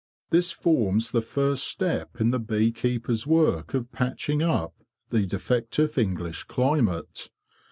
This forms the first step in the bee keeper's work of patching up the defective English climate.